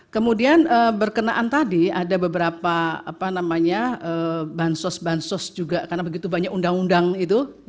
kemudian berkenaan tadi ada beberapa bansos bansos juga karena begitu banyak undang undang itu